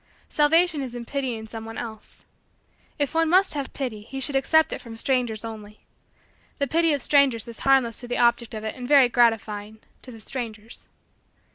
Salvation is in pitying someone else. If one must have pity he should accept it from strangers only. The pity of strangers is harmless to the object of it and very gratifying to the strangers.